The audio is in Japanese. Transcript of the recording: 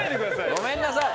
ごめんなさい。